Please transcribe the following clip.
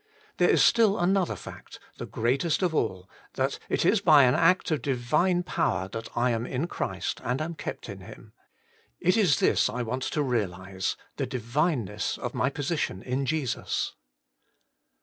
There is still another fact, the greatest of all : that it is by an act of Divine power that I am in Christ and am kept in Him. It is this I want to realize : the Dlvineness of my position in Jesus.